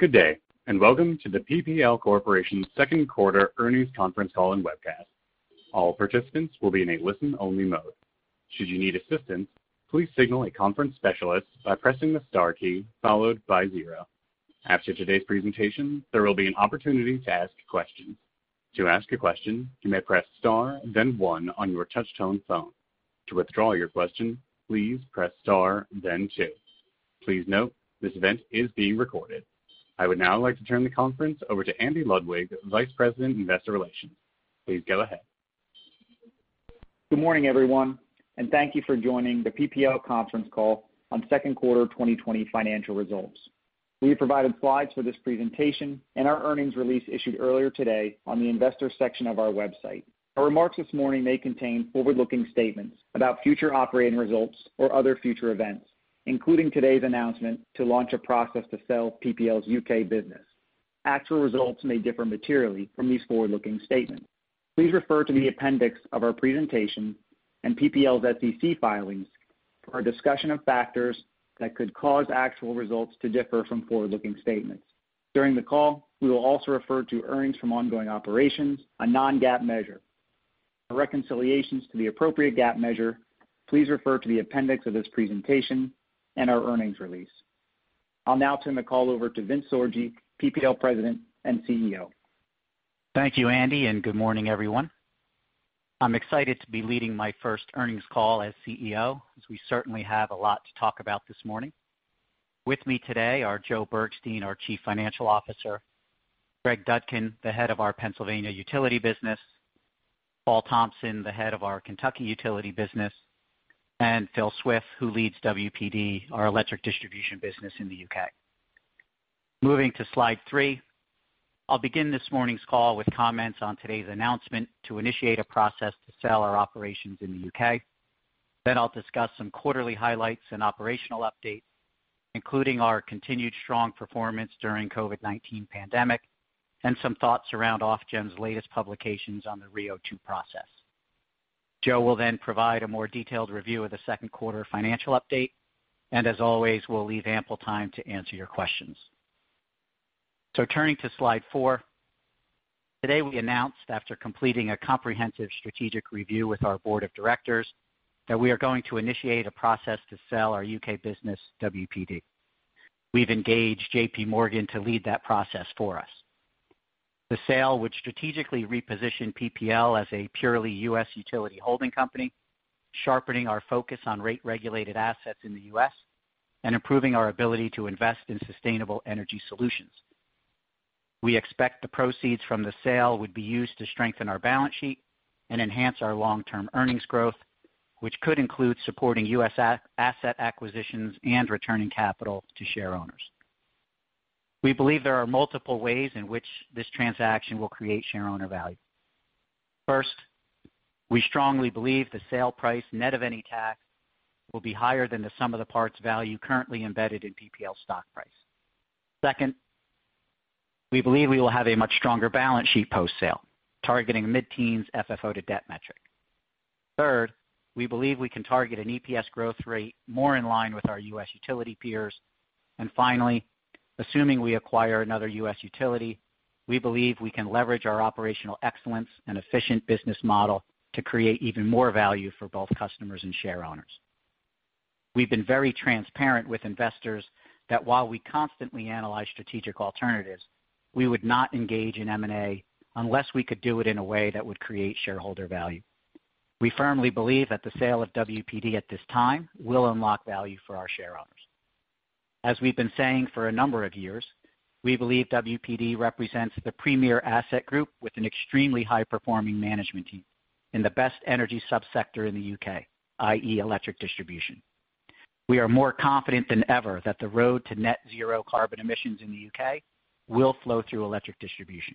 Good day, and welcome to The PPL Corporation's second quarter earnings conference call and webcast. All participants will be in a listen-only mode. Should you need assistance, please signal a conference specialist by pressing the star key followed by zero. After today's presentation, there will be an opportunity to ask questions. To ask a question, you may press star then one on your touch-tone phone. To withdraw your question, please press star then two. Please note, this event is being recorded. I would now like to turn the conference over to Andy Ludwig, Vice President, Investor Relations. Please go ahead. Good morning, everyone, and thank you for joining the PPL conference call on second quarter 2020 financial results. We have provided slides for this presentation in our earnings release issued earlier today on the investor section of our website. Our remarks this morning may contain forward-looking statements about future operating results or other future events, including today's announcement to launch a process to sell PPL's U.K. business. Actual results may differ materially from these forward-looking statements. Please refer to the appendix of our presentation and PPL's SEC filings for a discussion of factors that could cause actual results to differ from forward-looking statements. During the call, we will also refer to earnings from ongoing operations, a non-GAAP measure. For reconciliations to the appropriate GAAP measure, please refer to the appendix of this presentation and our earnings release. I'll now turn the call over to Vincent Sorgi, PPL President and CEO. Thank you, Andy. Good morning, everyone. I'm excited to be leading my first earnings call as CEO, as we certainly have a lot to talk about this morning. With me today are Joe Bergstein, our Chief Financial Officer, Greg Dudkin, the head of our Pennsylvania utility business, Paul Thompson, the head of our Kentucky utility business, and Phil Swift, who leads WPD, our electric distribution business in the U.K. Moving to slide three. I'll begin this morning's call with comments on today's announcement to initiate a process to sell our operations in the U.K. I'll discuss some quarterly highlights and operational updates, including our continued strong performance during COVID-19 pandemic and some thoughts around Ofgem's latest publications on the RIIO-2 process. Joe will then provide a more detailed review of the second quarter financial update. As always, we'll leave ample time to answer your questions. Turning to slide four. Today, we announced, after completing a comprehensive strategic review with our board of directors, that we are going to initiate a process to sell our U.K. business, WPD. We've engaged JPMorgan to lead that process for us. The sale would strategically reposition PPL as a purely U.S. utility holding company, sharpening our focus on rate-regulated assets in the U.S. and improving our ability to invest in sustainable energy solutions. We expect the proceeds from the sale would be used to strengthen our balance sheet and enhance our long-term earnings growth, which could include supporting U.S. asset acquisitions and returning capital to shareowners. We believe there are multiple ways in which this transaction will create shareowner value. First, we strongly believe the sale price, net of any tax, will be higher than the sum of the parts value currently embedded in PPL's stock price. We believe we will have a much stronger balance sheet post-sale, targeting mid-teens FFO to debt metric. We believe we can target an EPS growth rate more in line with our U.S. utility peers. Finally, assuming we acquire another U.S. utility, we believe we can leverage our operational excellence and efficient business model to create even more value for both customers and shareowners. We've been very transparent with investors that while we constantly analyze strategic alternatives, we would not engage in M&A unless we could do it in a way that would create shareholder value. We firmly believe that the sale of WPD at this time will unlock value for our shareowners. As we've been saying for a number of years, we believe WPD represents the premier asset group with an extremely high-performing management team in the best energy sub-sector in the U.K., i.e., electric distribution. We are more confident than ever that the road to net zero carbon emissions in the U.K. will flow through electric distribution.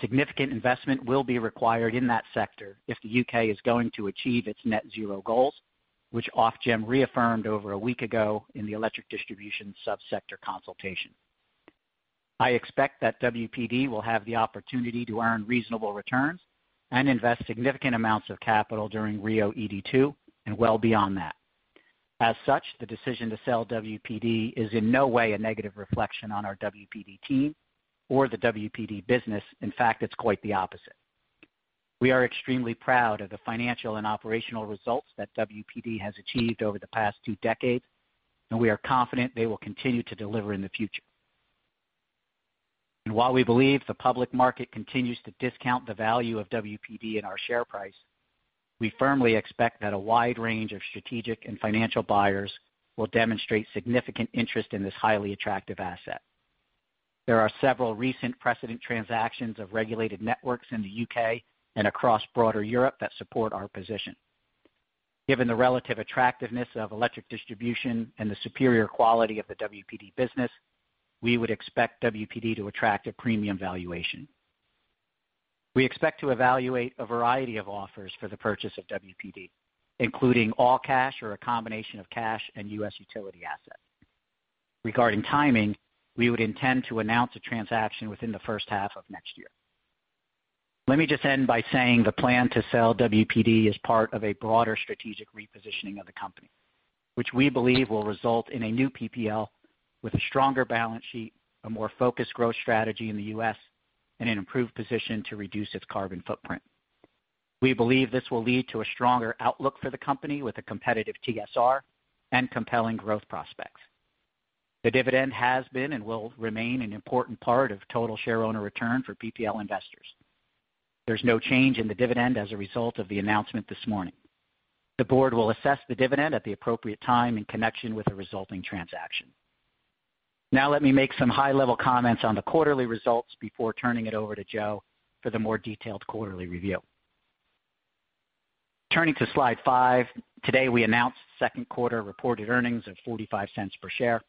Significant investment will be required in that sector if the U.K. is going to achieve its net zero goals, which Ofgem reaffirmed over a week ago in the electric distribution sub-sector consultation. I expect that WPD will have the opportunity to earn reasonable returns and invest significant amounts of capital during RIIO-ED2 and well beyond that. As such, the decision to sell WPD is in no way a negative reflection on our WPD team or the WPD business. In fact, it's quite the opposite. We are extremely proud of the financial and operational results that WPD has achieved over the past two decades, and we are confident they will continue to deliver in the future. While we believe the public market continues to discount the value of WPD in our share price, we firmly expect that a wide range of strategic and financial buyers will demonstrate significant interest in this highly attractive asset. There are several recent precedent transactions of regulated networks in the U.K. and across broader Europe that support our position. Given the relative attractiveness of electric distribution and the superior quality of the WPD business, we would expect WPD to attract a premium valuation. We expect to evaluate a variety of offers for the purchase of WPD, including all cash or a combination of cash and U.S. utility assets. Regarding timing, we would intend to announce a transaction within the first half of next year. Let me just end by saying the plan to sell WPD is part of a broader strategic repositioning of the company, which we believe will result in a new PPL with a stronger balance sheet, a more focused growth strategy in the U.S., and an improved position to reduce its carbon footprint. We believe this will lead to a stronger outlook for the company with a competitive TSR and compelling growth prospects. The dividend has been and will remain an important part of total share owner return for PPL investors. There's no change in the dividend as a result of the announcement this morning. The board will assess the dividend at the appropriate time in connection with the resulting transaction. Let me make some high-level comments on the quarterly results before turning it over to Joe for the more detailed quarterly review. Turning to slide five. Today, we announced second quarter reported earnings of $0.45 per share.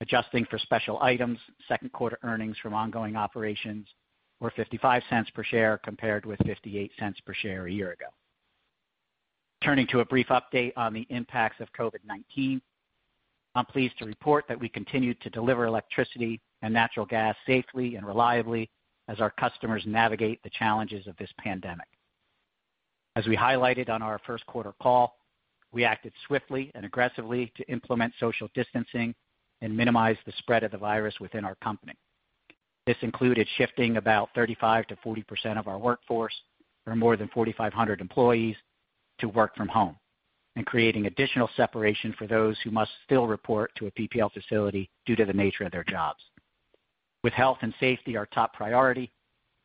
Adjusting for special items, second-quarter earnings from ongoing operations were $0.55 per share compared with $0.58 per share a year ago. Turning to a brief update on the impacts of COVID-19. I'm pleased to report that we continued to deliver electricity and natural gas safely and reliably as our customers navigate the challenges of this pandemic. As we highlighted on our first-quarter call, we acted swiftly and aggressively to implement social distancing and minimize the spread of the virus within our company. This included shifting about 35%-40% of our workforce, or more than 4,500 employees, to work from home and creating additional separation for those who must still report to a PPL facility due to the nature of their jobs. With health and safety our top priority,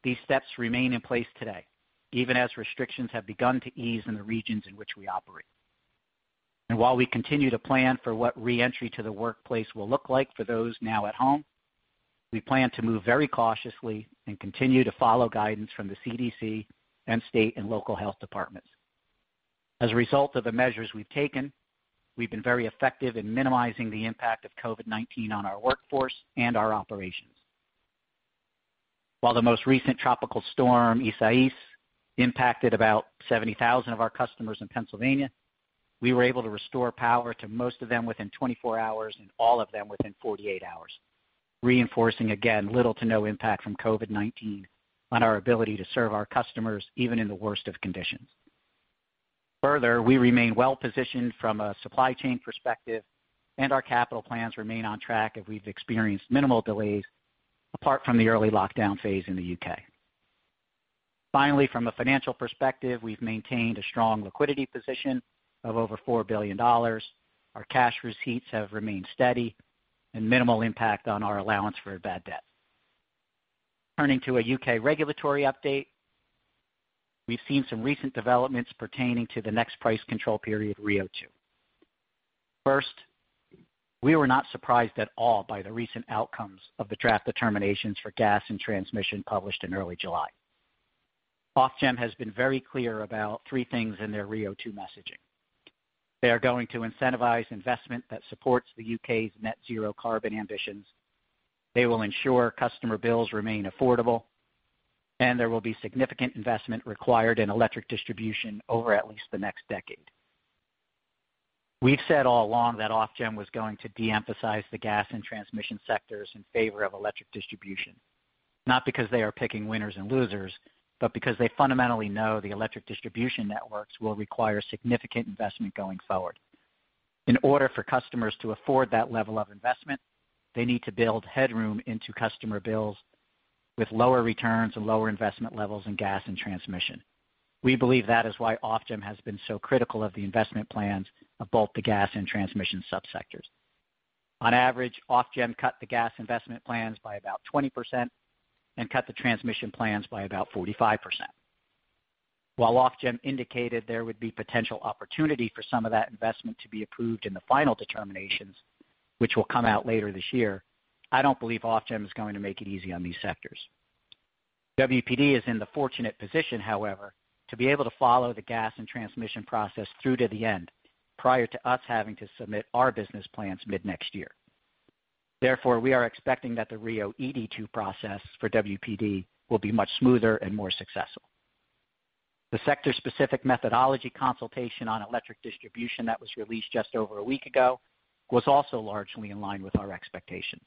these steps remain in place today, even as restrictions have begun to ease in the regions in which we operate. While we continue to plan for what re-entry to the workplace will look like for those now at home, we plan to move very cautiously and continue to follow guidance from the CDC and state and local health departments. As a result of the measures we've taken, we've been very effective in minimizing the impact of COVID-19 on our workforce and our operations. While the most recent Tropical Storm Isaias impacted about 70,000 of our customers in Pennsylvania, we were able to restore power to most of them within 24 hours and all of them within 48 hours, reinforcing again, little to no impact from COVID-19 on our ability to serve our customers, even in the worst of conditions. Further, we remain well-positioned from a supply chain perspective and our capital plans remain on track and we've experienced minimal delays apart from the early lockdown phase in the U.K. Finally, from a financial perspective, we've maintained a strong liquidity position of over $4 billion. Our cash receipts have remained steady and minimal impact on our allowance for bad debt. Turning to a U.K. regulatory update. We've seen some recent developments pertaining to the next price control period, RIIO-2. We were not surprised at all by the recent outcomes of the draft determinations for gas and transmission published in early July. Ofgem has been very clear about three things in their RIIO-2 messaging. They are going to incentivize investment that supports the U.K.'s net zero carbon ambitions, they will ensure customer bills remain affordable, and there will be significant investment required in electric distribution over at least the next decade. We've said all along that Ofgem was going to de-emphasize the gas and transmission sectors in favor of electric distribution, not because they are picking winners and losers, but because they fundamentally know the electric distribution networks will require significant investment going forward. In order for customers to afford that level of investment, they need to build headroom into customer bills with lower returns and lower investment levels in gas and transmission. We believe that is why Ofgem has been so critical of the investment plans of both the gas and transmission subsectors. On average, Ofgem cut the gas investment plans by about 20% and cut the transmission plans by about 45%. While Ofgem indicated there would be potential opportunity for some of that investment to be approved in the final determinations, which will come out later this year, I don't believe Ofgem is going to make it easy on these sectors. WPD is in the fortunate position, however, to be able to follow the gas and transmission process through to the end prior to us having to submit our business plans mid-next year. Therefore, we are expecting that the RIIO-ED2 process for WPD will be much smoother and more successful. The sector-specific methodology consultation on electric distribution that was released just over a week ago was also largely in line with our expectations.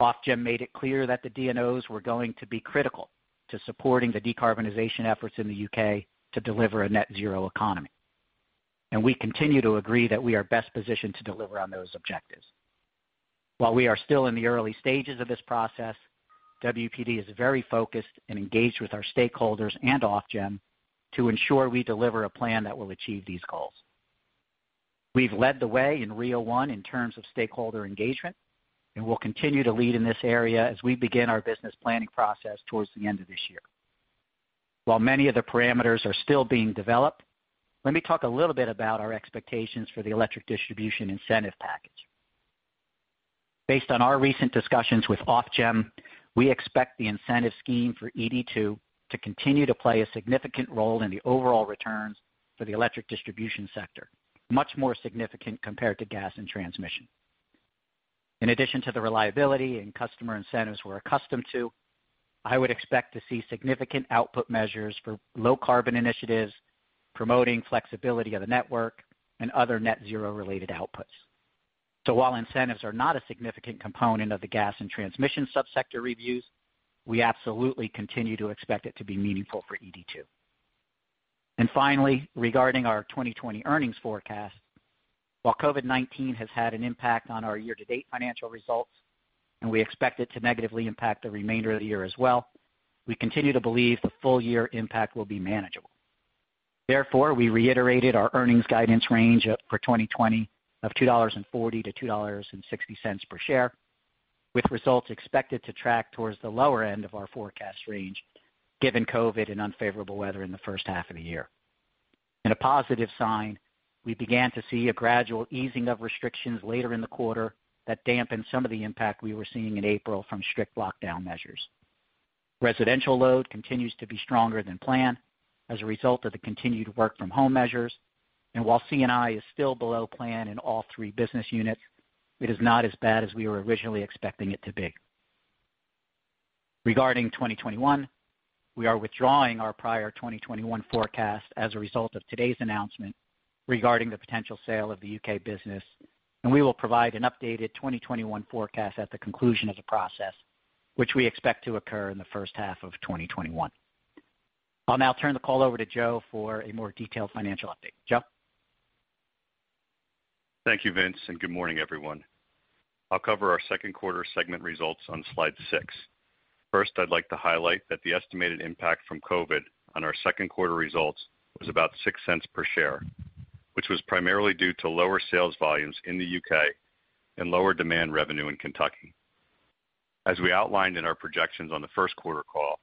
Ofgem made it clear that the DNOs were going to be critical to supporting the decarbonization efforts in the U.K. to deliver a net zero economy. We continue to agree that we are best positioned to deliver on those objectives. While we are still in the early stages of this process, WPD is very focused and engaged with our stakeholders and Ofgem to ensure we deliver a plan that will achieve these goals. We've led the way in RIIO-1 in terms of stakeholder engagement, and we'll continue to lead in this area as we begin our business planning process towards the end of this year. While many of the parameters are still being developed, let me talk a little bit about our expectations for the electric distribution incentive package. Based on our recent discussions with Ofgem, we expect the incentive scheme for ED2 to continue to play a significant role in the overall returns for the electric distribution sector, much more significant compared to gas and transmission. In addition to the reliability and customer incentives we're accustomed to, I would expect to see significant output measures for low-carbon initiatives, promoting flexibility of the network, and other net zero-related outputs. While incentives are not a significant component of the gas and transmission sub-sector reviews, we absolutely continue to expect it to be meaningful for ED2. Finally, regarding our 2020 earnings forecast, while COVID-19 has had an impact on our year-to-date financial results, and we expect it to negatively impact the remainder of the year as well, we continue to believe the full-year impact will be manageable. Therefore, we reiterated our earnings guidance range for 2020 of $2.40-$2.60 per share, with results expected to track towards the lower end of our forecast range given COVID and unfavorable weather in the first half of the year. In a positive sign, we began to see a gradual easing of restrictions later in the quarter that dampened some of the impact we were seeing in April from strict lockdown measures. Residential load continues to be stronger than planned as a result of the continued work-from-home measures. While C&I is still below plan in all three business units, it is not as bad as we were originally expecting it to be. Regarding 2021, we are withdrawing our prior 2021 forecast as a result of today's announcement regarding the potential sale of the U.K. business, and we will provide an updated 2021 forecast at the conclusion of the process, which we expect to occur in the first half of 2021. I'll now turn the call over to Joe for a more detailed financial update. Joe? Thank you, Vince, and good morning, everyone. First, I'd like to highlight that the estimated impact from COVID-19 on our second quarter results was about $0.06 per share, which was primarily due to lower sales volumes in the U.K. and lower demand revenue in Kentucky. As we outlined in our projections on the first quarter call,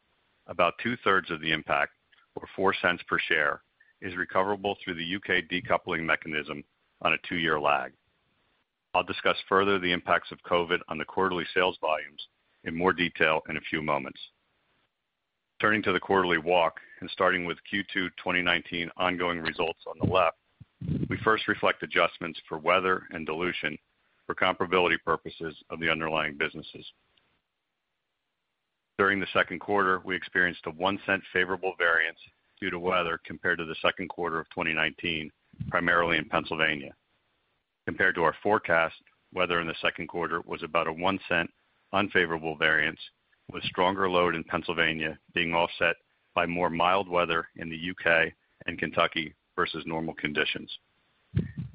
about two-thirds of the impact, or $0.04 per share, is recoverable through the U.K. decoupling mechanism on a two-year lag. I'll discuss further the impacts of COVID-19 on the quarterly sales volumes in more detail in a few moments. Turning to the quarterly walk and starting with Q2 2019 ongoing results on the left, we first reflect adjustments for weather and dilution for comparability purposes of the underlying businesses. During the second quarter, we experienced a $0.01 favorable variance due to weather compared to the second quarter of 2019, primarily in Pennsylvania. Compared to our forecast, weather in the second quarter was about a $0.01 unfavorable variance, with stronger load in Pennsylvania being offset by more mild weather in the U.K. and Kentucky versus normal conditions.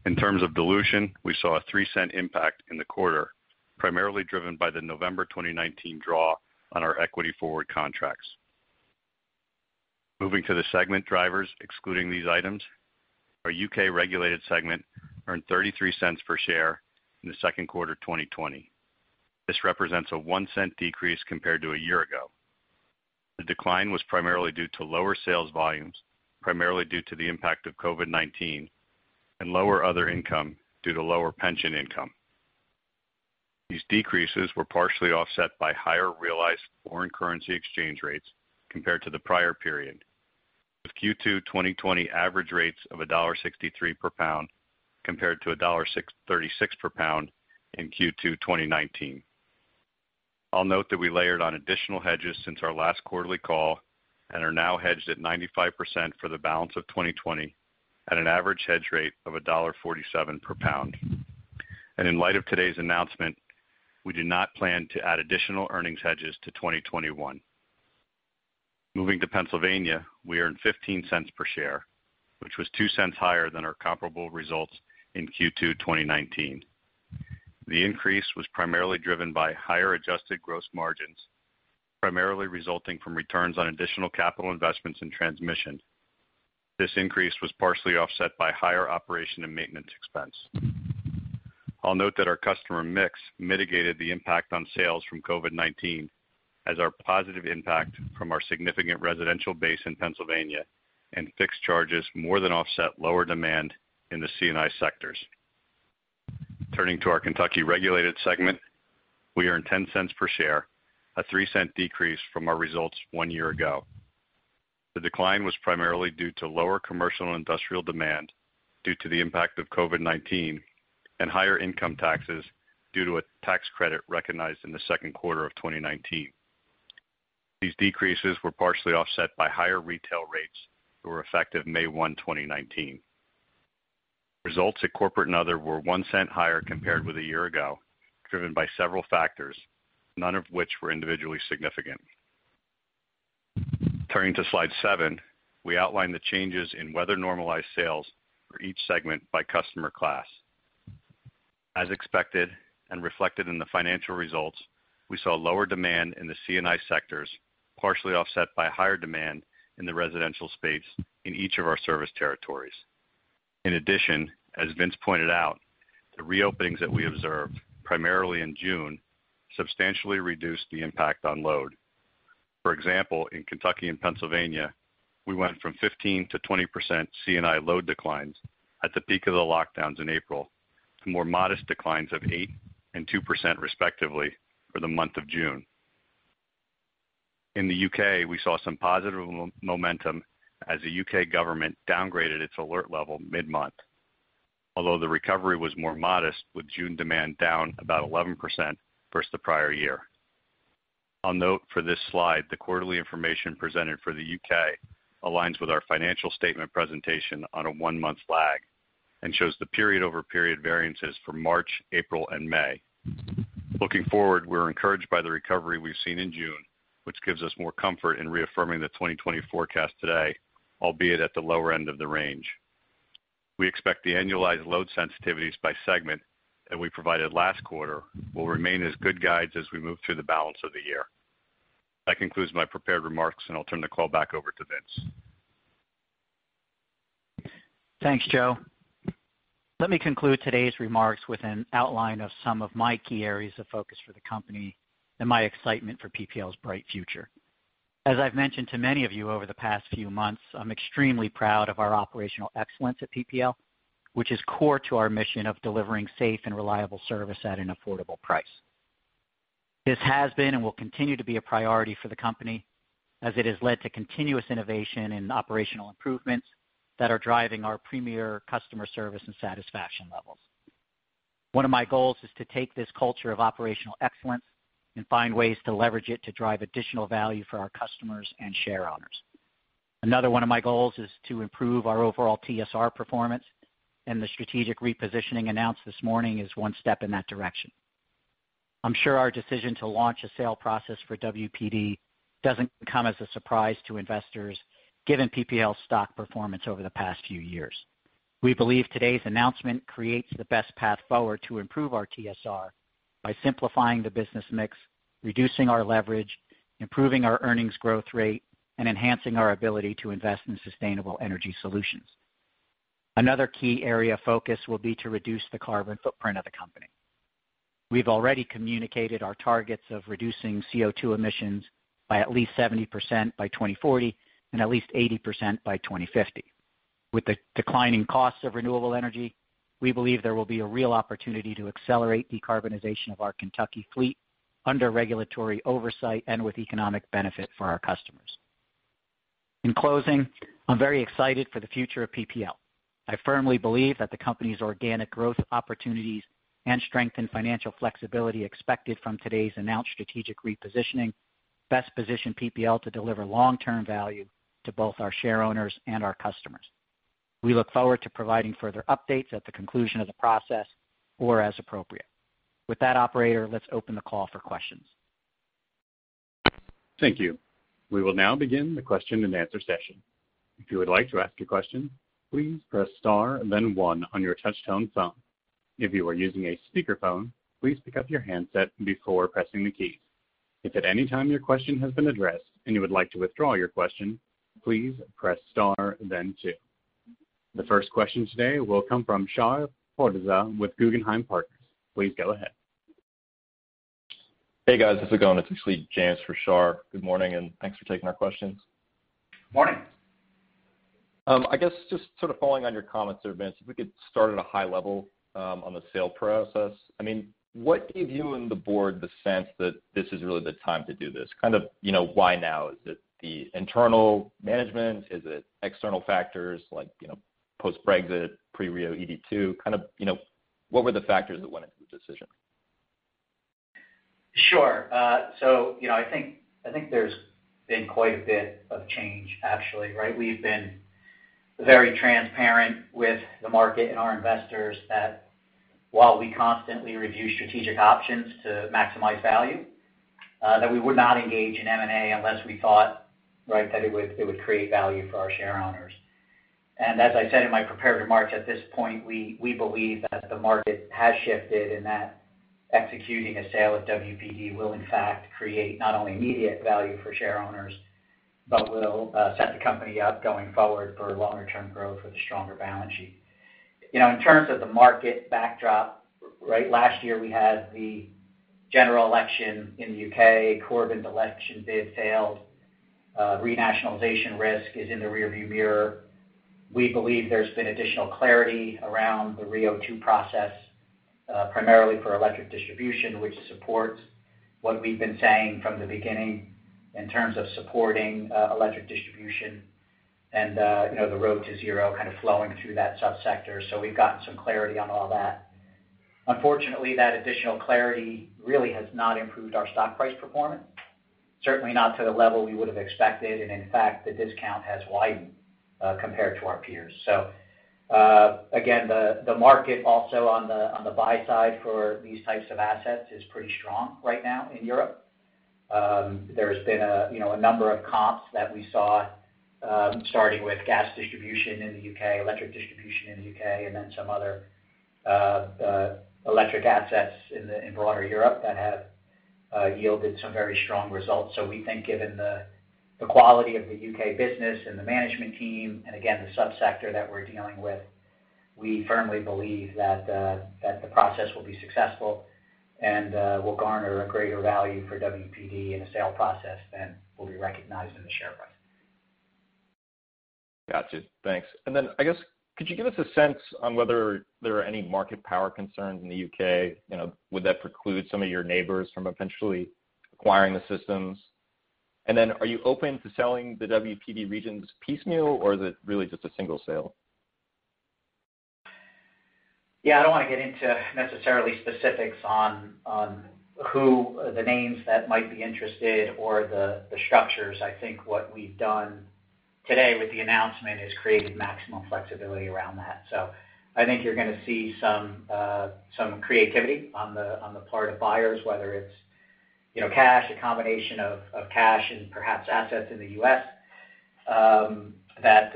In terms of dilution, we saw a $0.03 impact in the quarter, primarily driven by the November 2019 draw on our equity forward contracts. Moving to the segment drivers, excluding these items, our U.K. regulated segment earned $0.33 per share in the second quarter 2020. This represents a $0.01 decrease compared to a year ago. The decline was primarily due to lower sales volumes, primarily due to the impact of COVID-19 and lower other income due to lower pension income. These decreases were partially offset by higher realized foreign currency exchange rates compared to the prior period, with Q2 2020 average rates of $1.63 per pound compared to $1.36 per pound in Q2 2019. I'll note that we layered on additional hedges since our last quarterly call and are now hedged at 95% for the balance of 2020 at an average hedge rate of $1.47 per pound. In light of today's announcement, we do not plan to add additional earnings hedges to 2021. Moving to Pennsylvania, we earned $0.15 per share, which was $0.02 higher than our comparable results in Q2 2019. The increase was primarily driven by higher adjusted gross margins, primarily resulting from returns on additional capital investments in transmission. This increase was partially offset by higher operation and maintenance expense. I'll note that our customer mix mitigated the impact on sales from COVID-19 as our positive impact from our significant residential base in Pennsylvania and fixed charges more than offset lower demand in the C&I sectors. Turning to our Kentucky regulated segment, we earned $0.10 per share, a $0.03 decrease from our results one year ago. The decline was primarily due to lower commercial and industrial demand due to the impact of COVID-19 and higher income taxes due to a tax credit recognized in the second quarter of 2019. These decreases were partially offset by higher retail rates that were effective May 1, 2019. Results at Corporate and Other were $0.01 higher compared with a year ago, driven by several factors, none of which were individually significant. Turning to slide seven, we outline the changes in weather-normalized sales for each segment by customer class. As expected and reflected in the financial results, we saw lower demand in the C&I sectors, partially offset by higher demand in the residential space in each of our service territories. In addition, as Vince pointed out, the reopenings that we observed, primarily in June, substantially reduced the impact on load. For example, in Kentucky and Pennsylvania, we went from 15%-20% C&I load declines at the peak of the lockdowns in April to more modest declines of 8% and 2% respectively for the month of June. In the U.K., we saw some positive momentum as the U.K. government downgraded its alert level mid-month. Although the recovery was more modest, with June demand down about 11% versus the prior year. I'll note for this slide, the quarterly information presented for the U.K. aligns with our financial statement presentation on a one-month lag and shows the period-over-period variances for March, April, and May. Looking forward, we're encouraged by the recovery we've seen in June, which gives us more comfort in reaffirming the 2020 forecast today, albeit at the lower end of the range. We expect the annualized load sensitivities by segment that we provided last quarter will remain as good guides as we move through the balance of the year. That concludes my prepared remarks, and I'll turn the call back over to Vince. Thanks, Joe. Let me conclude today's remarks with an outline of some of my key areas of focus for the company and my excitement for PPL's bright future. As I've mentioned to many of you over the past few months, I'm extremely proud of our operational excellence at PPL, which is core to our mission of delivering safe and reliable service at an affordable price. This has been and will continue to be a priority for the company as it has led to continuous innovation and operational improvements that are driving our premier customer service and satisfaction levels. One of my goals is to take this culture of operational excellence and find ways to leverage it to drive additional value for our customers and share owners. Another one of my goals is to improve our overall TSR performance. The strategic repositioning announced this morning is one step in that direction. I'm sure our decision to launch a sale process for WPD doesn't come as a surprise to investors given PPL's stock performance over the past few years. We believe today's announcement creates the best path forward to improve our TSR by simplifying the business mix, reducing our leverage, improving our earnings growth rate, and enhancing our ability to invest in sustainable energy solutions. Another key area of focus will be to reduce the carbon footprint of the company. We've already communicated our targets of reducing CO2 emissions by at least 70% by 2040 and at least 80% by 2050. With the declining cost of renewable energy, we believe there will be a real opportunity to accelerate decarbonization of our Kentucky fleet under regulatory oversight and with economic benefit for our customers. In closing, I'm very excited for the future of PPL. I firmly believe that the company's organic growth opportunities and strength in financial flexibility expected from today's announced strategic repositioning best position PPL to deliver long-term value to both our share owners and our customers. We look forward to providing further updates at the conclusion of the process or as appropriate. With that, operator, let's open the call for questions. Thank you. We will now begin the question and answer session. If you would like to ask a question, please press star then one on your touchtone phone. If you are using a speakerphone, please pick up your handset before pressing the keys. If at any time your question has been addressed and you would like to withdraw your question, please press star then two. The first question today will come from Shah Pourreza with Guggenheim Partners. Please go ahead. Hey, guys. How's it going? It's actually Janice for Shar. Good morning. Thanks for taking our questions. Morning. I guess just sort of following on your comments there, Vince, if we could start at a high level on the sale process. What gave you and the board the sense that this is really the time to do this? Why now? Is it the internal management? Is it external factors like post-Brexit, pre-RIIO-ED2? What were the factors that went into the decision? Sure. I think there's been quite a bit of change, actually, right? We've been very transparent with the market and our investors that while we constantly review strategic options to maximize value, that we would not engage in M&A unless we thought that it would create value for our share owners. As I said in my prepared remarks, at this point, we believe that the market has shifted and that executing a sale at WPD will in fact create not only immediate value for share owners, but will set the company up going forward for longer-term growth with a stronger balance sheet. In terms of the market backdrop, last year we had the general election in the U.K. Corbyn's election bid failed. Renationalization risk is in the rear-view mirror. We believe there's been additional clarity around the RIIO-2 process, primarily for electric distribution, which supports what we've been saying from the beginning in terms of supporting electric distribution and the road to zero kind of flowing through that subsector. We've gotten some clarity on all that. Unfortunately, that additional clarity really has not improved our stock price performance, certainly not to the level we would have expected, and in fact, the discount has widened compared to our peers. Again, the market also on the buy side for these types of assets is pretty strong right now in Europe. There's been a number of comps that we saw, starting with gas distribution in the U.K., electric distribution in the U.K., and then some other electric assets in broader Europe that have yielded some very strong results. We think given the quality of the U.K. business and the management team, and again, the subsector that we're dealing with, we firmly believe that the process will be successful and will garner a greater value for WPD in a sale process than will be recognized in the share price. Gotcha. Thanks. I guess could you give us a sense on whether there are any market power concerns in the U.K.? Would that preclude some of your neighbors from eventually acquiring the systems? Are you open to selling the WPD regions piecemeal, or is it really just a single sale? Yeah, I don't want to get into necessarily specifics on the names that might be interested or the structures. I think what we've done today with the announcement is created maximum flexibility around that. I think you're going to see some creativity on the part of buyers, whether it's cash, a combination of cash and perhaps assets in the U.S., that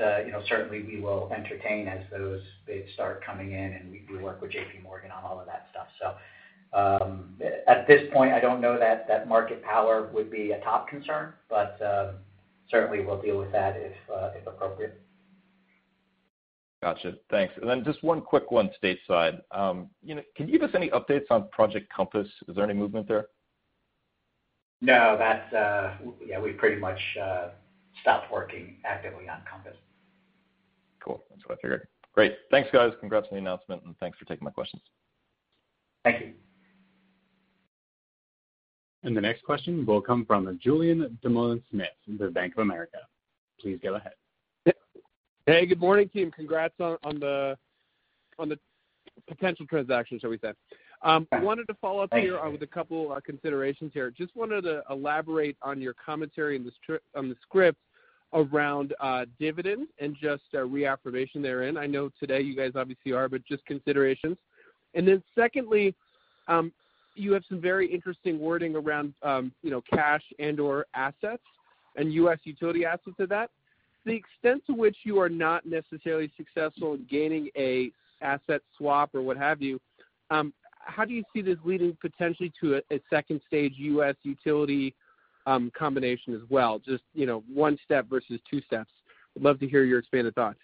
certainly we will entertain as they start coming in and we work with JPMorgan on all of that stuff. At this point, I don't know that that market power would be a top concern, but certainly we'll deal with that if appropriate. Got you. Thanks. Just one quick one stateside. Can you give us any updates on Project Compass? Is there any movement there? No. We've pretty much stopped working actively on Compass. Cool. That's what I figured. Great. Thanks, guys. Congrats on the announcement and thanks for taking my questions. Thank you. The next question will come from Julien Dumoulin-Smith from Bank of America. Please go ahead. Hey, good morning, team. Congrats on the potential transaction, shall we say. Thanks. I wanted to follow up here with a couple considerations here. Wanted to elaborate on your commentary on the script around dividend and reaffirmation therein. I know today you guys obviously are, just considerations. Then secondly, you have some very interesting wording around cash and/or assets and U.S. utility assets to that. The extent to which you are not necessarily successful in gaining an asset swap or what have you, how do you see this leading potentially to a two stage U.S. utility combination as well? One step versus two steps. Would love to hear your expanded thoughts.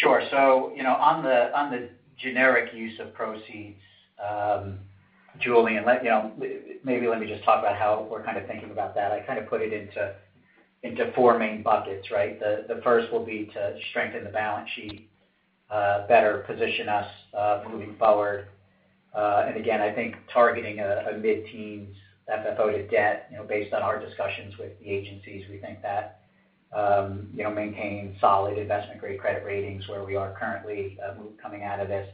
Sure. On the generic use of proceeds, Julien, maybe let me just talk about how we're kind of thinking about that. I kind of put it into four main buckets, right? The first will be to strengthen the balance sheet, better position us moving forward. Again, I think targeting a mid-teens FFO to debt, based on our discussions with the agencies, we think that maintains solid investment-grade credit ratings where we are currently coming out of this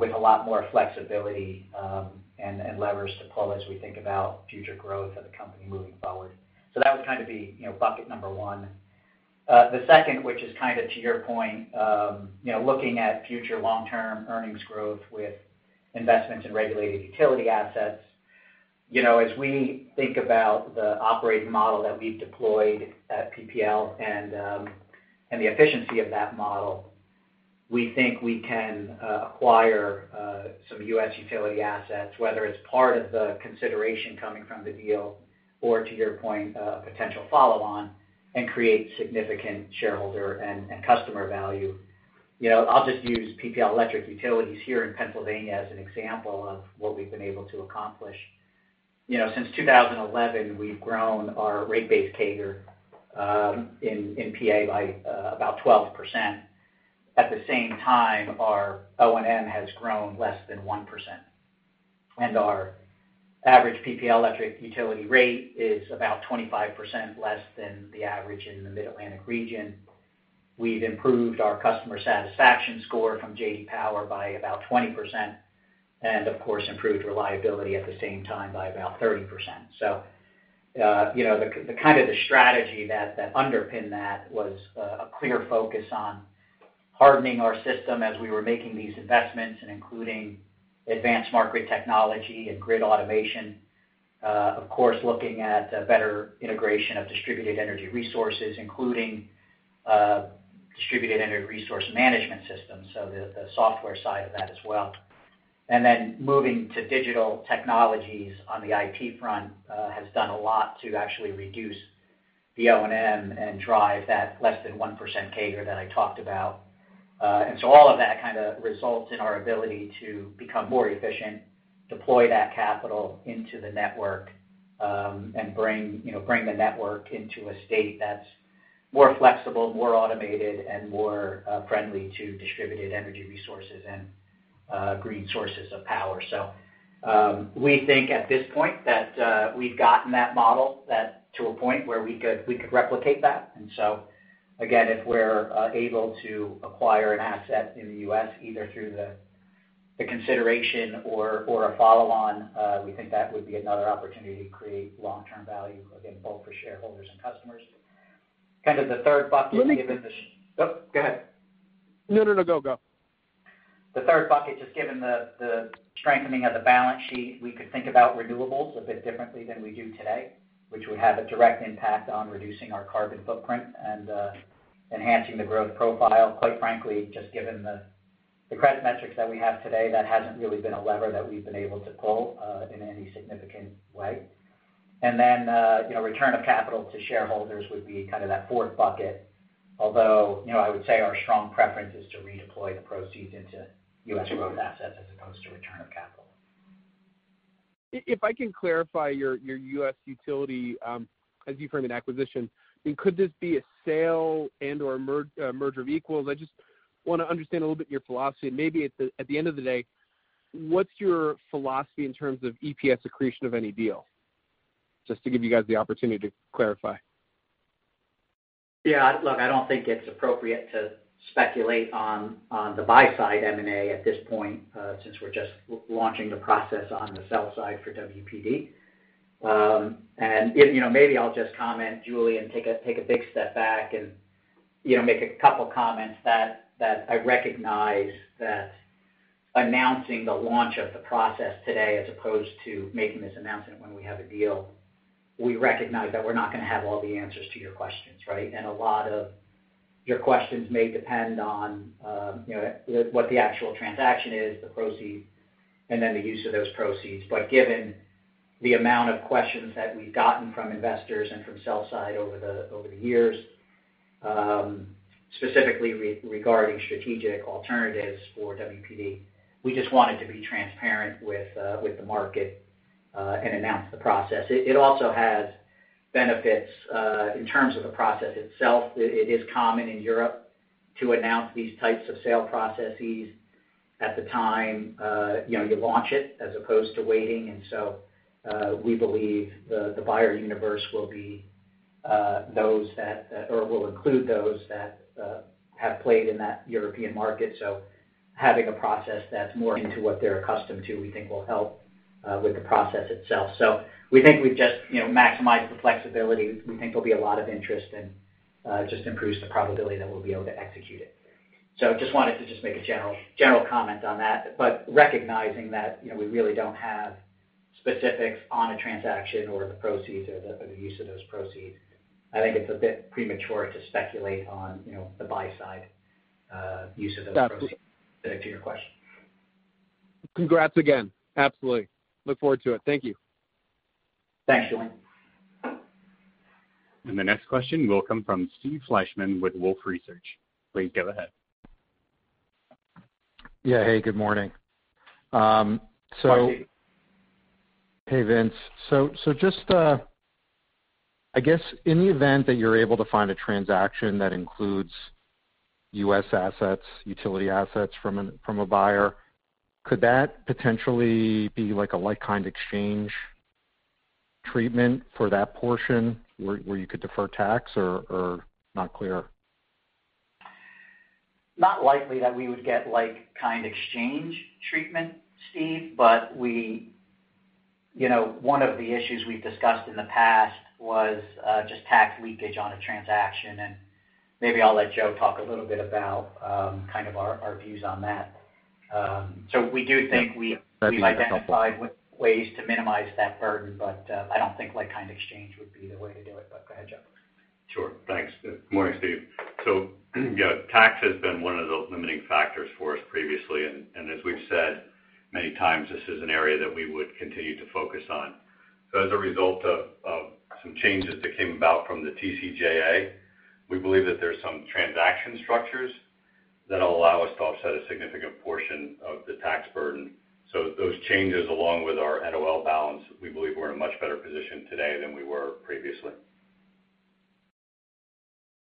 with a lot more flexibility and levers to pull as we think about future growth of the company moving forward. That would kind of be bucket number one. The second, which is kind of to your point, looking at future long-term earnings growth with investments in regulated utility assets. As we think about the operating model that we've deployed at PPL and the efficiency of that model, we think we can acquire some U.S. utility assets, whether it's part of the consideration coming from the deal, or to your point, a potential follow-on, and create significant shareholder and customer value. I'll just use PPL Electric Utilities here in Pennsylvania as an example of what we've been able to accomplish. Since 2011, we've grown our rate base CAGR in PA by about 12%. At the same time, our O&M has grown less than 1%, and our average PPL Electric Utility rate is about 25% less than the average in the Mid-Atlantic region. We've improved our customer satisfaction score from J.D. Power by about 20%, and of course, improved reliability at the same time by about 30%. The strategy that underpinned that was a clear focus on hardening our system as we were making these investments, including advanced market technology and grid automation. Looking at better integration of distributed energy resources, including distributed energy resource management systems, so the software side of that as well. Moving to digital technologies on the IT front has done a lot to actually reduce the O&M and drive that less than 1% CAGR that I talked about. All of that kind of results in our ability to become more efficient, deploy that capital into the network, and bring the network into a state that's more flexible, more automated, and more friendly to distributed energy resources and green sources of power. We think at this point that we've gotten that model to a point where we could replicate that. Again, if we're able to acquire an asset in the U.S. either through the consideration or a follow-on, we think that would be another opportunity to create long-term value, again, both for shareholders and customers. Julien? Oh, go ahead. No, go. The third bucket, just given the strengthening of the balance sheet, we could think about renewables a bit differently than we do today, which would have a direct impact on reducing our carbon footprint and enhancing the growth profile. Quite frankly, just given the credit metrics that we have today, that hasn't really been a lever that we've been able to pull in any significant way. Return of capital to shareholders would be kind of that fourth bucket. Although, I would say our strong preference is to redeploy the proceeds into U.S. growth assets as opposed to return of capital. If I can clarify your U.S. utility, as you frame an acquisition, could this be a sale and/or merger of equals? I just want to understand a little bit your philosophy, and maybe at the end of the day, what's your philosophy in terms of EPS accretion of any deal? Just to give you guys the opportunity to clarify. Yeah. Look, I don't think it's appropriate to speculate on the buy-side M&A at this point, since we're just launching the process on the sell side for WPD. Maybe I'll just comment, Julien, take a big step back and make a couple of comments that I recognize that announcing the launch of the process today, as opposed to making this announcement when we have a deal, we recognize that we're not going to have all the answers to your questions, right. A lot of your questions may depend on what the actual transaction is, the proceeds, and then the use of those proceeds. Given the amount of questions that we've gotten from investors and from sell-side over the years, specifically regarding strategic alternatives for WPD, we just wanted to be transparent with the market and announce the process. It also has benefits in terms of the process itself. It is common in Europe to announce these types of sale processes at the time you launch it, as opposed to waiting. We believe the buyer universe will include those that have played in that European market. Having a process that's more into what they're accustomed to, we think will help with the process itself. We think we've just maximized the flexibility. We think there'll be a lot of interest and just improves the probability that we'll be able to execute it. Just wanted to make a general comment on that, but recognizing that we really don't have specifics on a transaction or the proceeds or the use of those proceeds. I think it's a bit premature to speculate on the buy-side use of those proceeds. Got it. Thanks for your question. Congrats again. Absolutely. Look forward to it. Thank you. Thanks, Julien. The next question will come from Steve Fleishman with Wolfe Research. Please go ahead. Yeah. Hey, good morning. Morning. Hey, Vince. I guess in the event that you're able to find a transaction that includes U.S. assets, utility assets from a buyer, could that potentially be a like-kind exchange treatment for that portion where you could defer tax or not clear? Not likely that we would get like kind exchange treatment, Steve, but one of the issues we've discussed in the past was just tax leakage on a transaction, and maybe I'll let Joe talk a little bit about our views on that. That'd be helpful. We've identified ways to minimize that burden, but I don't think like kind exchange would be the way to do it. Go ahead, Joe. Sure. Thanks. Good morning, Steve. Tax has been one of the limiting factors for us previously, and as we've said many times, this is an area that we would continue to focus on. As a result of some changes that came about from the TCJA, we believe that there's some transaction structures that'll allow us to offset a significant portion of the tax burden. Those changes, along with our NOL balance, we believe we're in a much better position today than we were previously.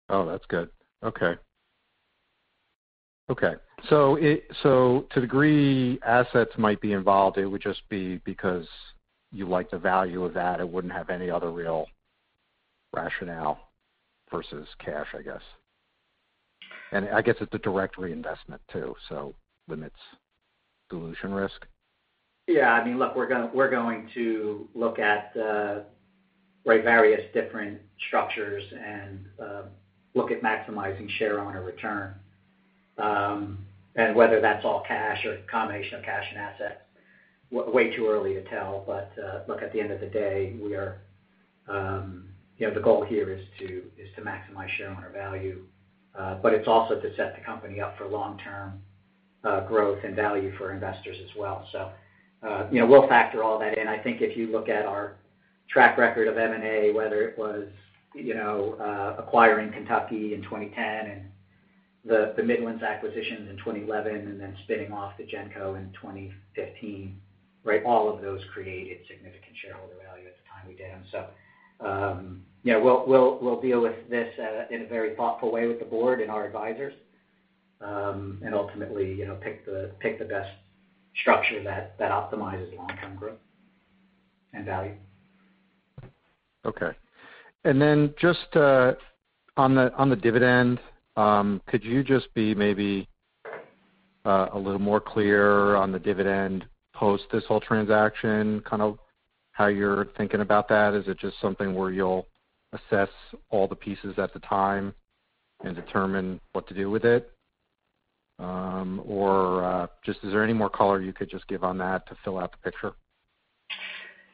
Oh, that's good. Okay. To degree, assets might be involved, it would just be because you like the value of that. It wouldn't have any other real rationale versus cash, I guess. I guess it's a direct reinvestment too, so limits dilution risk. Yeah. Look, we're going to look at various different structures and look at maximizing shareholder return. Whether that's all cash or a combination of cash and asset, way too early to tell. Look, at the end of the day, the goal here is to maximize shareholder value. It's also to set the company up for long-term growth and value for investors as well. We'll factor all that in. I think if you look at our track record of M&A, whether it was acquiring Kentucky in 2010 and the Midlands acquisitions in 2011 and then spinning off to Genco in 2015, all of those created significant shareholder value at the time we did them. We'll deal with this in a very thoughtful way with the board and our advisors. Ultimately pick the best structure that optimizes long-term growth and value. Okay. Just on the dividend, could you just be maybe a little more clear on the dividend post this whole transaction, how you're thinking about that? Is it just something where you'll assess all the pieces at the time and determine what to do with it? Or just is there any more color you could just give on that to fill out the picture?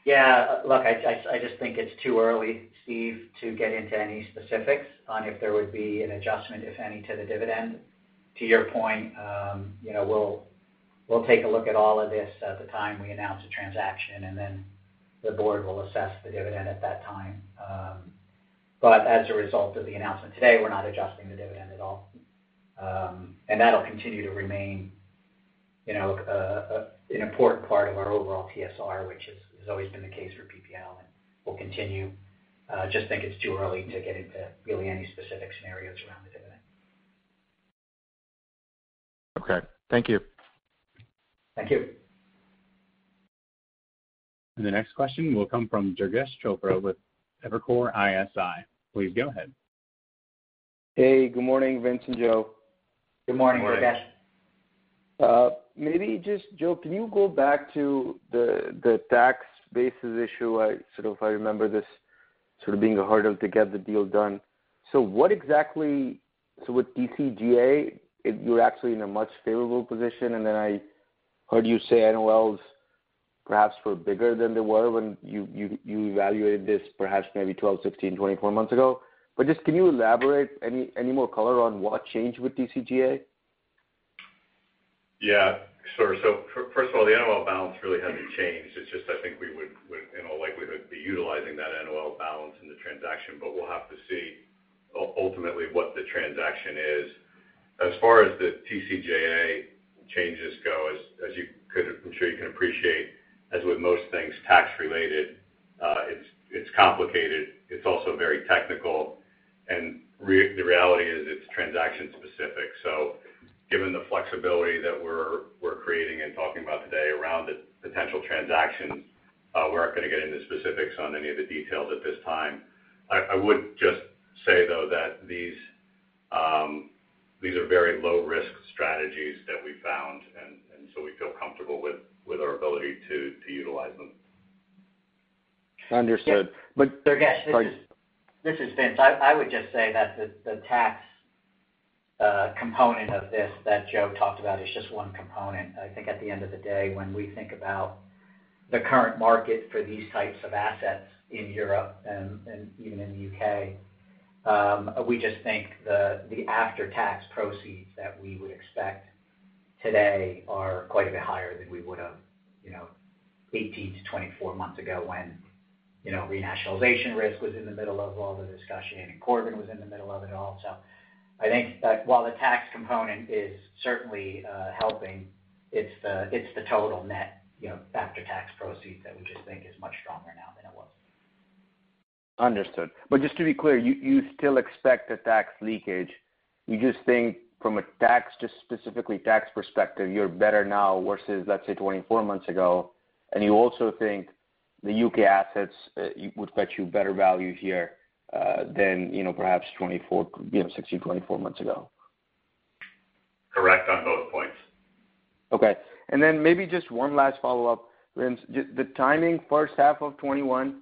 Yeah. Look, I just think it's too early, Steve, to get into any specifics on if there would be an adjustment, if any, to the dividend. To your point, we'll take a look at all of this at the time we announce a transaction, and then the board will assess the dividend at that time. As a result of the announcement today, we're not adjusting the dividend at all. That'll continue to remain an important part of our overall TSR, which has always been the case for PPL, and will continue. I just think it's too early to get into really any specific scenarios around the dividend. Okay. Thank you. Thank you. The next question will come from Durgesh Chopra with Evercore ISI. Please go ahead. Hey, good morning, Vince and Joe. Good morning, Durgesh. Good morning. Maybe just, Joe, can you go back to the tax basis issue? I remember this being harder to get the deal done. With TCJA, you're actually in a much favorable position, I heard you say NOLs perhaps were bigger than they were when you evaluated this, perhaps maybe 12, 16, 24 months ago. Just can you elaborate any more color on what changed with TCJA? Yeah, sure. First of all, the NOL balance really hasn't changed. It's just I think we would, in all likelihood, be utilizing that NOL balance in the transaction, but we'll have to see ultimately what the transaction is. As far as the TCJA changes go, as I'm sure you can appreciate, as with most things tax-related, it's complicated. It's also very technical, and the reality is it's transaction specific. Given the flexibility that we're creating and talking about today around the potential transaction, we aren't going to get into specifics on any of the details at this time. I would just say, though, that these are very low-risk strategies that we found, and so we feel comfortable with our ability to utilize them. Understood. Durgesh, this is Vince. I would just say that the tax component of this that Joe talked about is just one component. I think at the end of the day, when we think about the current market for these types of assets in Europe and even in the U.K., we just think the after-tax proceeds that we would expect today are quite a bit higher than we would have 18 to 24 months ago when re-nationalization risk was in the middle of all the discussion, and Corbyn was in the middle of it all. I think that while the tax component is certainly helping, it's the total net after-tax proceeds that we just think is much stronger now than it was. Understood. Just to be clear, you still expect a tax leakage. You just think from a specifically tax perspective, you're better now versus, let's say, 24 months ago, and you also think the U.K. assets would get you better value here than perhaps 16, 24 months ago. Correct on both points. Okay. Maybe just one last follow-up, Vince. The timing first half of 2021,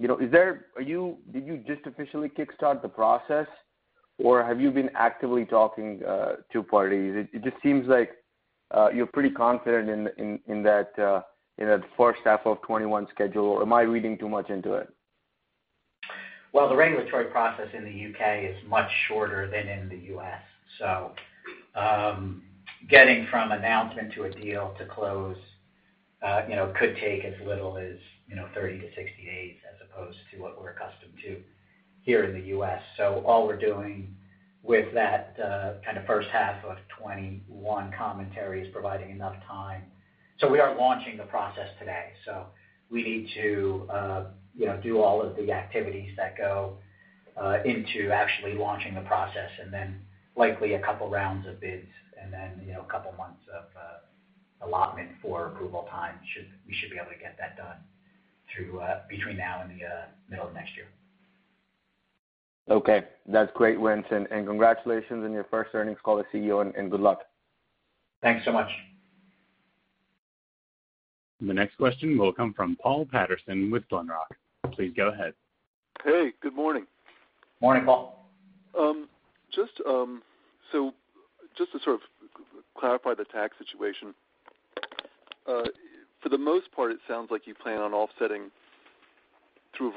did you just officially kickstart the process, or have you been actively talking to parties? It just seems like you're pretty confident in that first half of 2021 schedule, or am I reading too much into it? Well, the regulatory process in the U.K. is much shorter than in the U.S. Getting from announcement to a deal to close could take as little as 30-60 days as opposed to what we're accustomed to here in the U.S. All we're doing with that kind of first half of 2021 commentary is providing enough time. We aren't launching the process today. We need to do all of the activities that go into actually launching the process, and then likely a couple of rounds of bids and then a couple of months of allotment for approval time. We should be able to get that done between now and the middle of next year. Okay. That's great, Vince, and congratulations on your first earnings call as CEO, and good luck. Thanks so much. The next question will come from Paul Patterson with Glenrock. Please go ahead. Hey, good morning. Morning, Paul. Just to sort of clarify the tax situation. For the most part, it sounds like you plan on offsetting through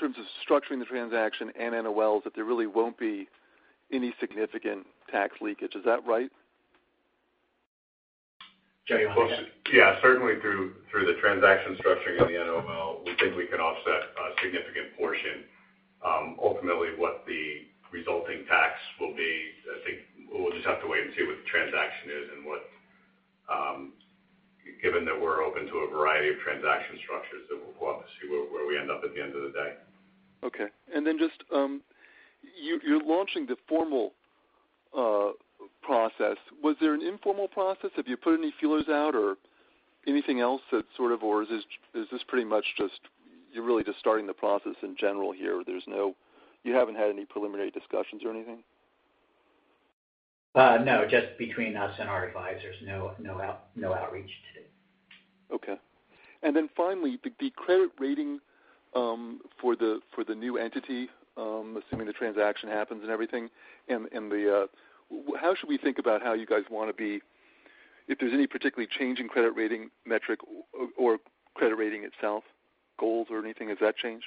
terms of structuring the transaction and NOLs, that there really won't be any significant tax leakage. Is that right? Joe, you want to. Certainly through the transaction structuring and the NOL, we think we can offset a significant portion. Ultimately, what the resulting tax will be, I think we'll just have to wait and see what the transaction is. Given that we're open to a variety of transaction structures, we'll go up and see where we end up at the end of the day. Okay. Just, you're launching the formal process. Was there an informal process? Have you put any feelers out or anything else that sort of? Is this pretty much just you're really just starting the process in general here? You haven't had any preliminary discussions or anything? No, just between us and our advisors. No outreach to. Okay. Then finally, the credit rating for the new entity, assuming the transaction happens and everything, how should we think about if there's any particular change in credit rating metric or credit rating itself, goals or anything, has that changed?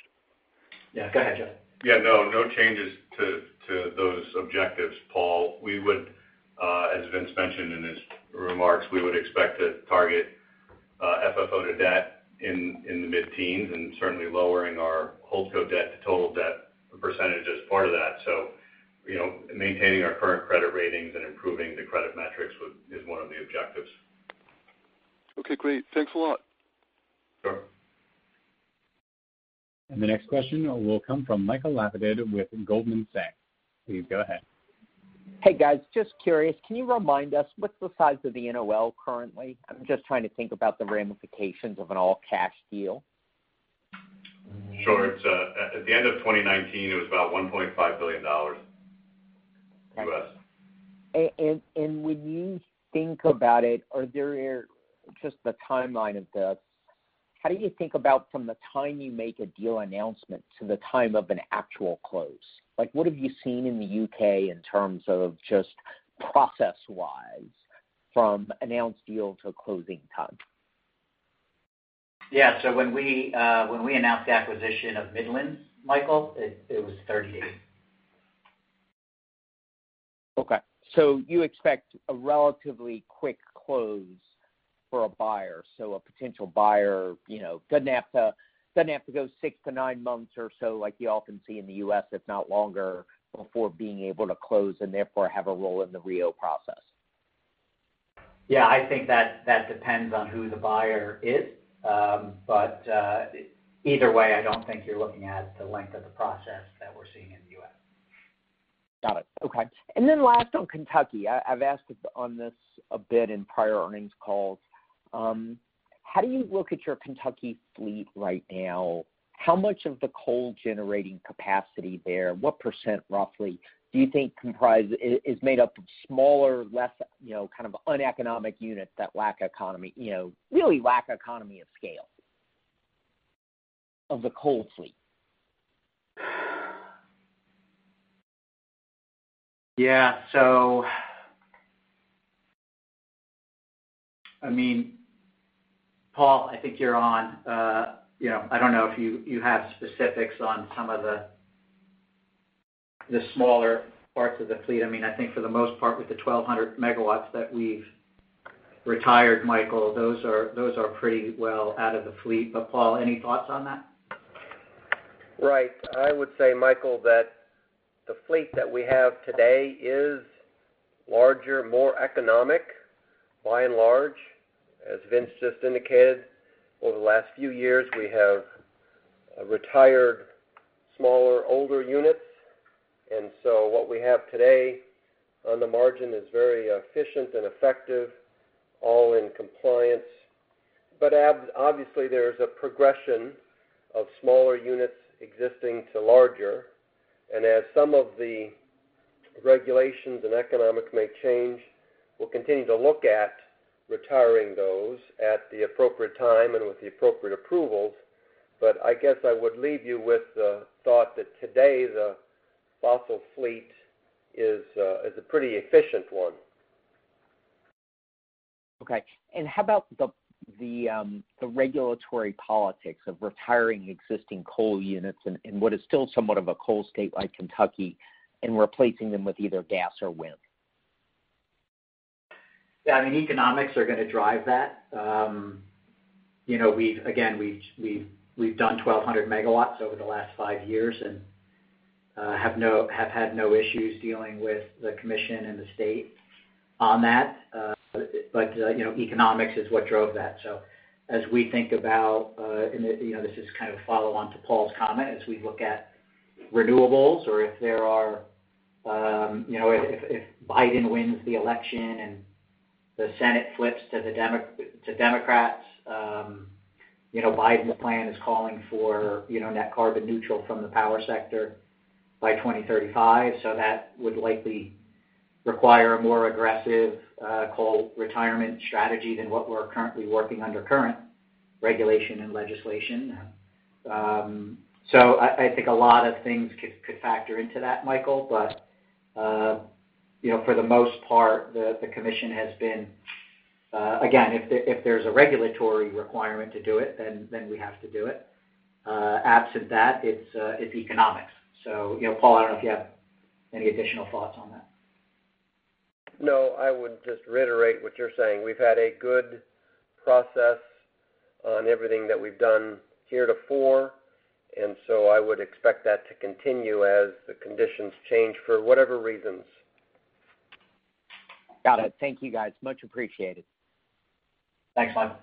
Yeah. Go ahead, Joe. Yeah, no. No changes to those objectives, Paul. As Vince mentioned in his remarks, we would expect to target FFO to debt in the mid-teens and certainly lowering our holdco debt to total debt percentage as part of that. Maintaining our current credit ratings and improving the credit metrics is one of the objectives. Okay, great. Thanks a lot. The next question will come from Michael Lapides with Goldman Sachs. Please go ahead. Hey, guys. Just curious, can you remind us what's the size of the NOL currently? I'm just trying to think about the ramifications of an all-cash deal. Sure. At the end of 2019, it was about $1.5 billion U.S. When you think about it, just the timeline of this, how do you think about from the time you make a deal announcement to the time of an actual close? What have you seen in the U.K. in terms of just process-wise from announced deal to closing time? Yeah. When we announced the acquisition of Midlands, Michael, it was 30 days. You expect a relatively quick close for a buyer. A potential buyer doesn't have to go six to nine months or so like you often see in the U.S., if not longer, before being able to close and therefore have a role in the RIIO process. Yeah, I think that depends on who the buyer is. Either way, I don't think you're looking at the length of the process that we're seeing in the U.S. Got it. Okay. Last on Kentucky, I've asked on this a bit in prior earnings calls. How do you look at your Kentucky fleet right now? How much of the coal-generating capacity there, what percent roughly do you think is made up of smaller, less uneconomic units that really lack economy of scale of the coal fleet? Yeah. Paul, I think you're on. I don't know if you have specifics on some of the smaller parts of the fleet. I think for the most part, with the 1,200 megawatts that we've retired, Michael, those are pretty well out of the fleet. Paul, any thoughts on that? Right. I would say, Michael, that the fleet that we have today is larger, more economic by and large. As Vince just indicated, over the last few years, we have retired smaller, older units. What we have today on the margin is very efficient and effective, all in compliance. Obviously, there's a progression of smaller units existing to larger. As some of the regulations and economics may change, we'll continue to look at retiring those at the appropriate time and with the appropriate approvals. I guess I would leave you with the thought that today, the fossil fleet is a pretty efficient one. Okay. How about the regulatory politics of retiring existing coal units in what is still somewhat of a coal state like Kentucky and replacing them with either gas or wind? Economics are going to drive that. Again, we've done 1,200 MW over the last five years and have had no issues dealing with the commission and the state on that. Economics is what drove that. As we think about, and this is kind of a follow-on to Paul's comment, as we look at renewables or if Biden wins the election and the Senate flips to Democrats, Biden's plan is calling for net carbon neutral from the power sector by 2035. That would likely require a more aggressive coal retirement strategy than what we're currently working under current regulation and legislation. I think a lot of things could factor into that, Michael. For the most part, the commission has been, again, if there's a regulatory requirement to do it, then we have to do it. Absent that, it's economics. Paul, I don't know if you have any additional thoughts on that. No. I would just reiterate what you're saying. We've had a good process on everything that we've done heretofore, and so I would expect that to continue as the conditions change for whatever reasons. Got it. Thank you, guys. Much appreciated. Thanks, Michael.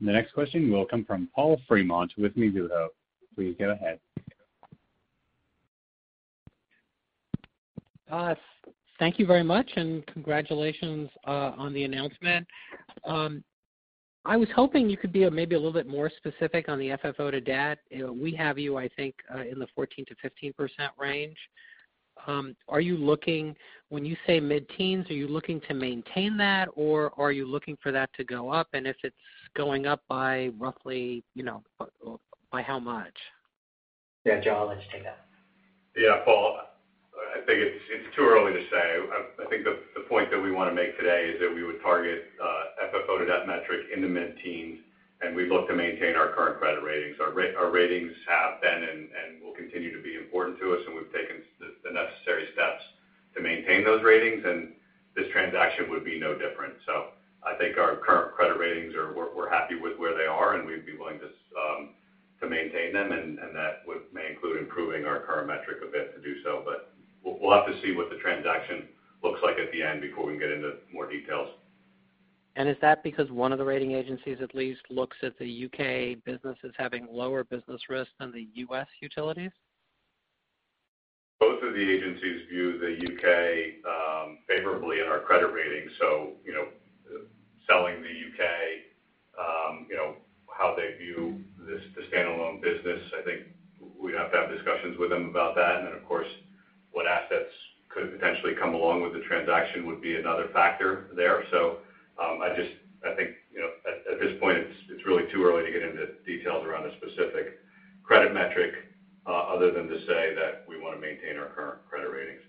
The next question will come from Paul Fremont with Mizuho. Please go ahead. Thank you very much, and congratulations on the announcement. I was hoping you could be maybe a little bit more specific on the FFO to debt. We have you, I think, in the 14%-15% range. When you say mid-teens, are you looking to maintain that or are you looking for that to go up? If it's going up by roughly, by how much? Yeah, Joe, why don't you take that? Yeah, Paul, I think it's too early to say. I think the point that we want to make today is that we would target FFO to debt metric in the mid-teens, and we'd look to maintain our current credit ratings. Our ratings have been and will continue to be important to us, and we've taken the necessary steps to maintain those ratings, and this transaction would be no different. I think our current credit ratings, we're happy with where they are, and we'd be willing to maintain them and that current metric a bit to do so, but we'll have to see what the transaction looks like at the end before we can get into more details. Is that because one of the rating agencies at least looks at the U.K. business as having lower business risk than the U.S. utilities? Both of the agencies view the U.K. favorably in our credit rating, so, selling the U.K., how they view the standalone business, I think we'd have to have discussions with them about that. Of course, what assets could potentially come along with the transaction would be another factor there. I think at this point it's really too early to get into details around a specific credit metric, other than to say that we want to maintain our current credit ratings.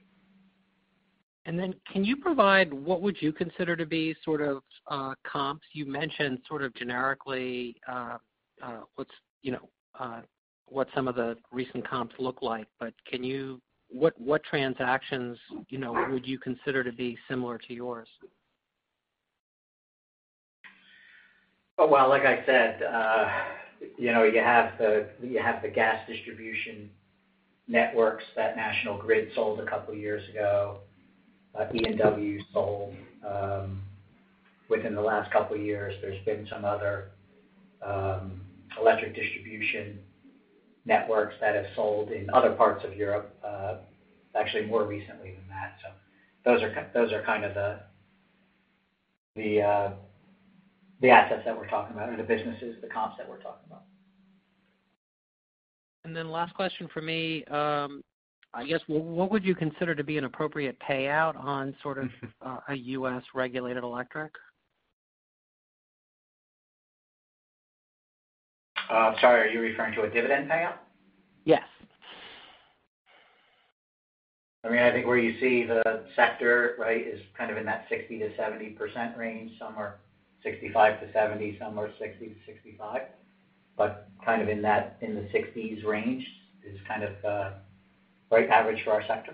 Can you provide what would you consider to be comps? You mentioned sort of generically what some of the recent comps look like, but what transactions would you consider to be similar to yours? Like I said, you have the gas distribution networks that National Grid sold a couple of years ago. ENW sold within the last couple of years. There's been some other electric distribution networks that have sold in other parts of Europe, actually more recently than that. Those are kind of the assets that we're talking about or the businesses, the comps that we're talking about. Last question from me. I guess, what would you consider to be an appropriate payout on sort of a U.S. regulated electric? Sorry, are you referring to a dividend payout? Yes. I think where you see the sector, is kind of in that 60%-70% range. Some are 65%-70%, some are 60%-65%. Kind of in the sixties range is kind of the average for our sector.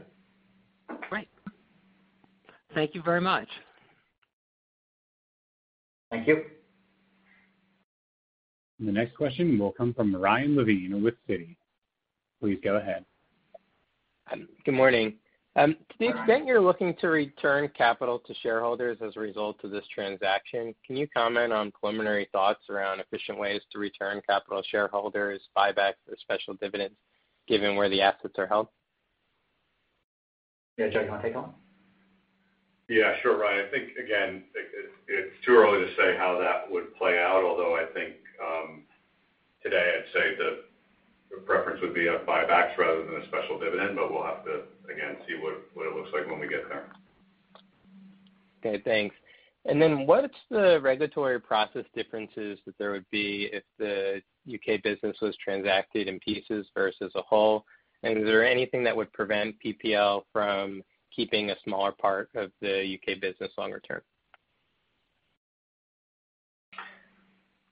Great. Thank you very much. Thank you. The next question will come from Ryan Levine with Citi. Please go ahead. Good morning. Hi. To the extent you're looking to return capital to shareholders as a result of this transaction, can you comment on preliminary thoughts around efficient ways to return capital to shareholders, buybacks or special dividends, given where the assets are held? Yeah, Joe, do you want to take that one? Yeah, sure, Ryan. I think, again, it's too early to say how that would play out, although I think today I'd say the preference would be a buyback rather than a special dividend, but we'll have to, again, see what it looks like when we get there. Okay, thanks. What's the regulatory process differences that there would be if the U.K. business was transacted in pieces versus a whole? Is there anything that would prevent PPL from keeping a smaller part of the U.K. business longer term?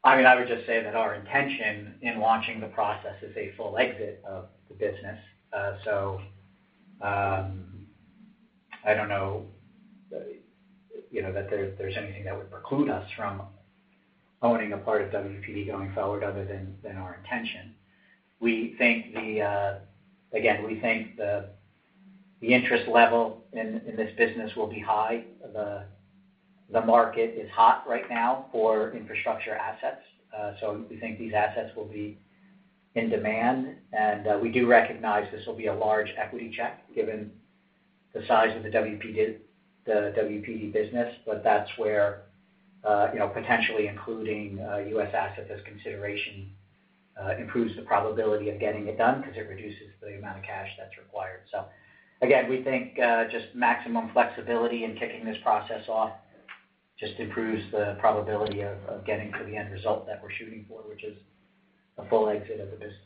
I would just say that our intention in launching the process is a full exit of the business. I don't know that there's anything that would preclude us from owning a part of WPD going forward other than our intention. Again, we think the interest level in this business will be high. The market is hot right now for infrastructure assets. We think these assets will be in demand, and we do recognize this will be a large equity check given the size of the WPD business, but that's where potentially including a U.S. asset as consideration improves the probability of getting it done because it reduces the amount of cash that's required. Again, we think just maximum flexibility in kicking this process off just improves the probability of getting to the end result that we're shooting for, which is a full exit of the business.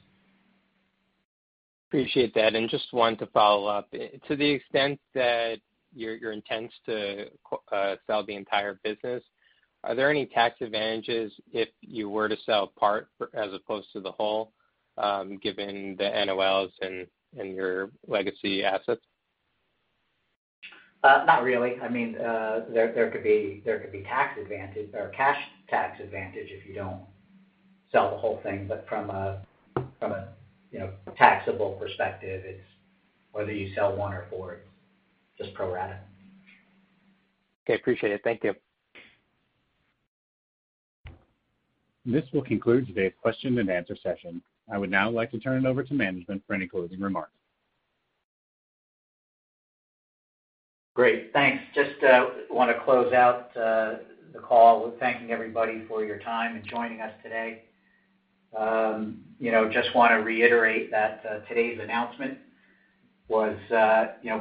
Appreciate that. Just one to follow up. To the extent that your intent's to sell the entire business, are there any tax advantages if you were to sell part as opposed to the whole, given the NOLs and your legacy assets? Not really. There could be cash tax advantage if you don't sell the whole thing, from a taxable perspective, whether you sell one or four, it's just pro rata. Okay, appreciate it. Thank you. This will conclude today's question and answer session. I would now like to turn it over to management for any closing remarks. Great. Thanks. Just want to close out the call with thanking everybody for your time and joining us today. Just want to reiterate that today's announcement was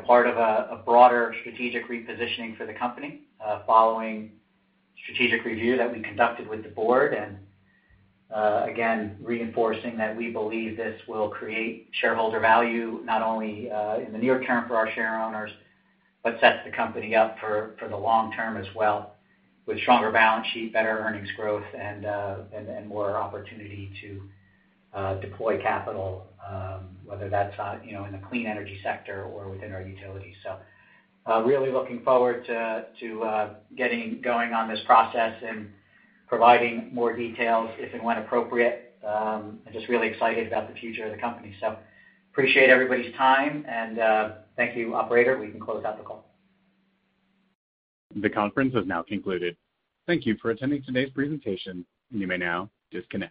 part of a broader strategic repositioning for the company following strategic review that we conducted with the board. Again, reinforcing that we believe this will create shareholder value, not only in the near term for our share owners, but sets the company up for the long term as well with stronger balance sheet, better earnings growth, and more opportunity to deploy capital, whether that's in the clean energy sector or within our utilities. Really looking forward to getting going on this process and providing more details if and when appropriate. I'm just really excited about the future of the company. Appreciate everybody's time and thank you, operator. We can close out the call. The conference has now concluded. Thank you for attending today's presentation, and you may now disconnect.